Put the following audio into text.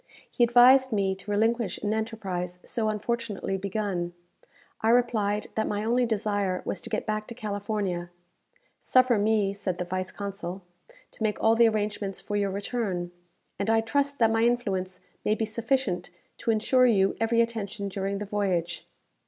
He advised me to relinquish an enterprise so unfortunately begun. I replied that my only desire was to get back to California. "Suffer me," said the vice consul, "to make all the arrangements for your return; and I trust that my influence may be sufficient to ensure you every attention during the voyage."